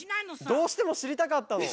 どうしてもしりたかったの。